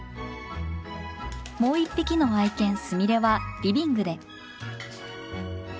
もう一匹の愛犬スミレはリビングで。